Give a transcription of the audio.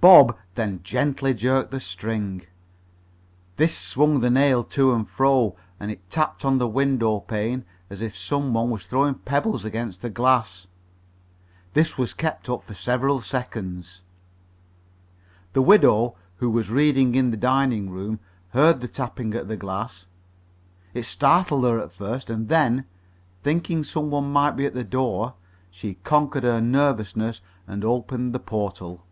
Bob then gently jerked the string. This swung the nail to and fro, and it tapped on the window pane as if some one was throwing pebbles against the glass. This was kept up for several seconds. The widow, who was reading in the dining room, heard the tapping at the glass. It startled her at first, and then, thinking some one might be at the door, she conquered her nervousness and opened the portal.